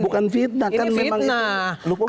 bukan fitnah kan memang itu